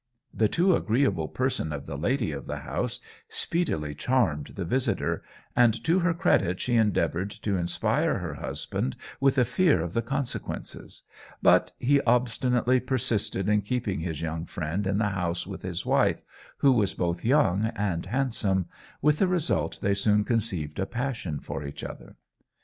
The too agreeable person of the lady of the house speedily charmed the visitor, and to her credit she endeavoured to inspire her husband with a fear of the consequences; but he obstinately persisted in keeping his young friend in the house with his wife, who was both young and handsome, with the result they soon conceived a passion for each other.